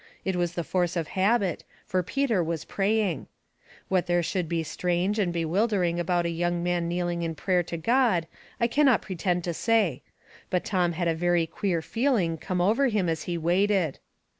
It was the force of habit — for Peter was praying ! What there should be strange and be wildering about a young man kneeling in prayer to God I can not pretend to say ; but Tom had a very queer feeling come over him as he waited.